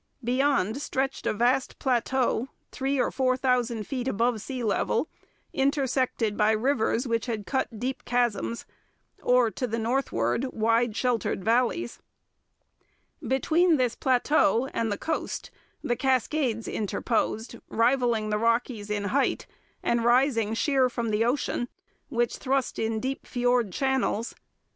Beyond stretched a vast plateau, three or four thousand feet above sea level, intersected by rivers which had cut deep chasms or, to the northward, wide sheltered valleys. Between this plateau and the coast the Cascades interposed, rivalling the Rockies in height and rising sheer from the ocean, which thrust in deep fiord channels.